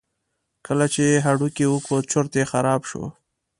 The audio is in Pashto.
کله چې یې هډوکی وکوت چورت یې خراب شو.